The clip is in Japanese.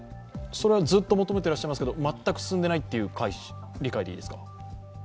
ずっと求めてらっしゃいますけど、全く進んでいないという解釈でいいですか？